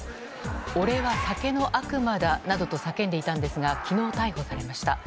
俺は酒の悪魔だなどと叫んでいたんですが昨日、逮捕されました。